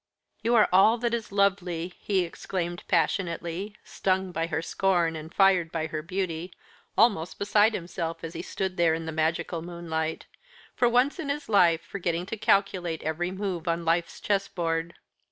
"You are all that is lovely," he exclaimed passionately, stung by her scorn and fired by her beauty, almost beside himself as they stood there in the magical moonlight for once in his life forgetting to calculate every move on life's chessboard.